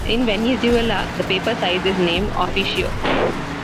In Venezuela, the paper size is named "oficio".